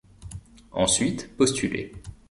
Ensuite postuler.